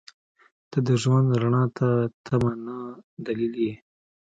• ته د ژوند رڼا ته تمه نه، دلیل یې.